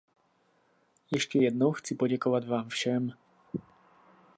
Ještě jednou chci poděkovat vám všem.